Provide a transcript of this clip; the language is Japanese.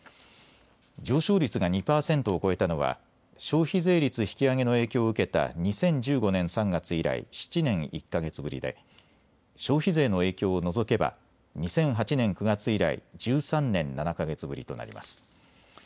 上昇率が２％を超えたのは消費税率引き上げの影響を受けた２０１５年３月以来、７年１か月ぶりで消費税の影響を除けば２００８年９月以来１３年７か月ぶりとなります。